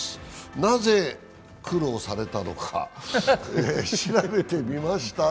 なぜ苦労されたのか調べてみました。